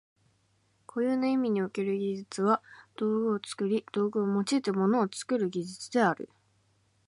固有な意味における技術は道具を作り、道具を用いて物を作る技術である。